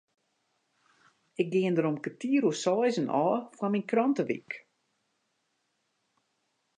Ik gean der om kertier oer seizen ôf foar myn krantewyk.